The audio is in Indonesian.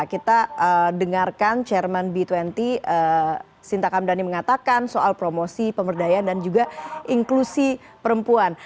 kita dengarkan chairman b dua puluh sinta kamdhani mengatakan soal promosi pemberdayaan dan juga inklusi perempuan